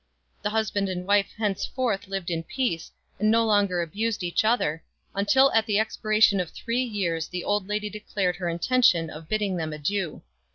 The husband and wife henceforth lived in peace, and no longer abused each other, until at the ex piration of three years the old lady declared her inten tion of bidding them adieu.